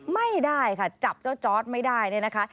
ไม่ได้ค่ะจับเจ้าจอร์ดไม่ได้เนี่ยนะคะ